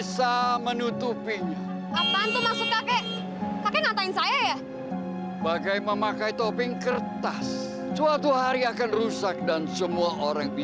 sampai jumpa di video selanjutnya